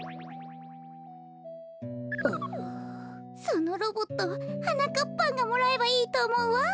そのロボットはなかっぱんがもらえばいいとおもうわ。